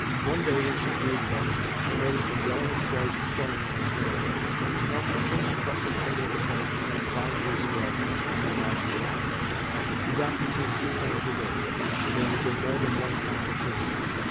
One day when she greeted us, I noticed a yellowish white swelling on her hand, and smelt the same oppressive odour which I had smelt five years ago in Mamma's room. The doctor came three times a day, and there had been more than one consultation.